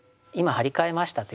張り替えましたと。